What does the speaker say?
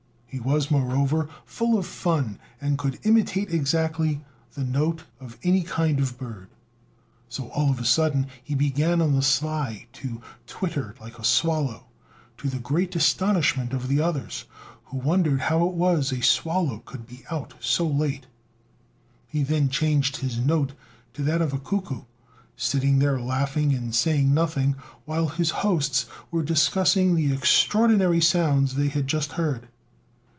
He was, moreover, full of fun, and could imitate exactly the note of any kind of bird; so all of a sudden he began on the sly to twitter like a swallow, to the great astonishment of the others, who wondered how it was a swallow could be out so late. He then changed his note to that of a cuckoo, sitting there laughing and saying nothing, while his hosts were discussing the extraordinary sounds they had just heard.